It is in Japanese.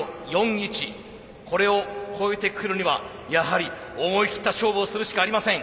これを超えてくるにはやはり思い切った勝負をするしかありません。